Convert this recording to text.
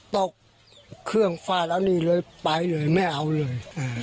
ตกเครื่องฟาดแล้วนี่เลยไปเลยไม่เอาเลย